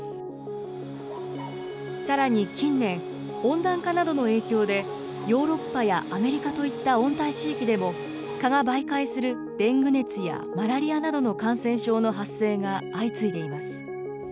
さらに近年、温暖化などの影響で、ヨーロッパやアメリカといった温帯地域でも、蚊が媒介するデング熱やマラリアなどの感染症の発生が相次いでいます。